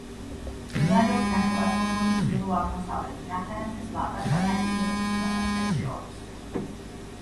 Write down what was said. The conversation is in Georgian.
მდებარეობს ნახევარკუნძულის ჩრდილო-აღმოსავლეთით, ათანასეს ლავრასა და ივერიის მონასტერს შორის.